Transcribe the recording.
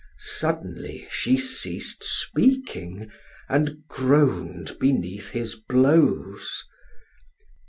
Suddenly she ceased speaking, and groaned beneath his blows.